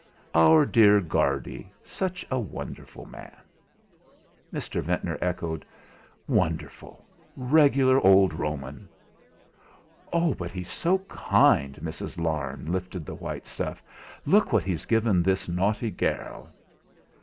"Our dear Guardy such a wonderful man." Mr. Ventnor echoed: "Wonderful regular old Roman." "Oh! but he's so kind!" Mrs. Larne lifted the white stuff: "Look what he's given this naughty gairl!"